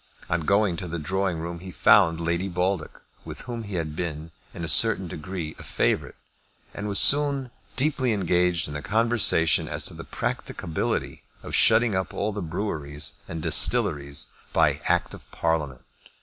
On going to the drawing room he found Lady Baldock, with whom he had been, to a certain degree, a favourite, and was soon deeply engaged in a conversation as to the practicability of shutting up all the breweries and distilleries by Act of Parliament.